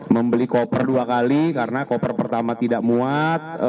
membeli koper dua kali karena koper pertama tidak muat